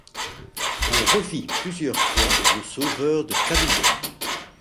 On revit plusieurs fois le sauveur de Kalumah.